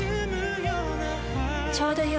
ちょうどよい。